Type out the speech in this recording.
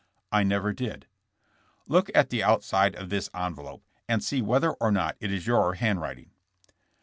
'*I never did." Look at the outside of this envelope and see whether or not it is your handwriting."